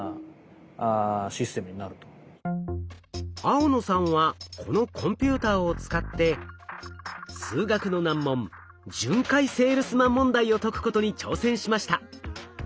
青野さんはこのコンピューターを使って数学の難問巡回セールスマン問題を解くことに挑戦しました。